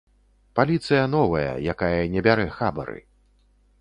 Паліцыя новая, якая не бярэ хабары.